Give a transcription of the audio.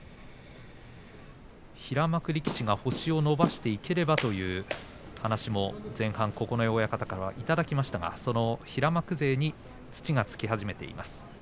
平幕力士が星を伸ばしていければという話も九重親方からいただきましたがその平幕勢に土がつき始めています。